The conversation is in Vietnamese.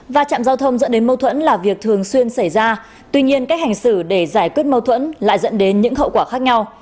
và chạm giao thông dẫn đến mâu thuẫn là việc thường xuyên xảy ra tuy nhiên cách hành xử để giải quyết mâu thuẫn lại dẫn đến những hậu quả khác nhau